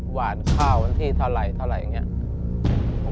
หวานคาววันที่เท่าไหร่เท่าไหร่อย่างเนี่ย